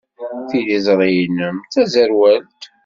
Tiliẓri-nnem d taẓerwalt.